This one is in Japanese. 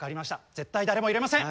絶対誰も入れません！